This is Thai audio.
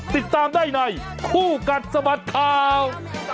ติดตามได้ในคู่กัดสะบัดข่าว